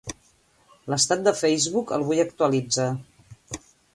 L'estat de Facebook, el vull actualitzar.